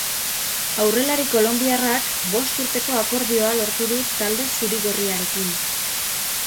Aurrelari kolonbiarrak bost urteko akordioa lortu du talde zuri-gorriarekin.